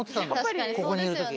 ここにいるとき。